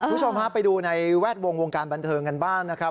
คุณผู้ชมฮะไปดูในแวดวงวงการบันเทิงกันบ้างนะครับ